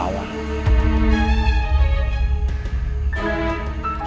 bagaimana dengan kerjaan kamu